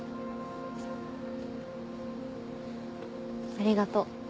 ありがとう。